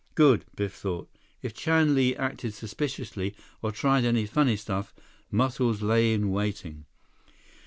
Good, Biff thought. If Chan Li acted suspiciously, or tried any funny stuff, Muscles lay in waiting.